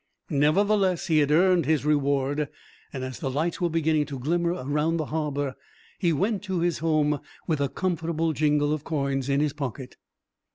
Nevertheless, he had earned his reward, and as the lights were beginning to glimmer around the harbor, he went to his home with a comfortable jingle of coins in his pocket.